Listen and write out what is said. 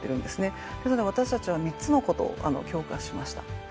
ですので私たちは３つのことを強化しました。